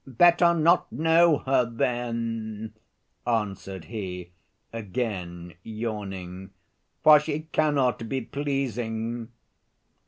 "Better not know her then," answered he, again yawning, "for she cannot be pleasing.